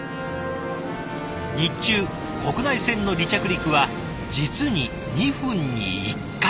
日中国内線の離着陸は実に２分に１回。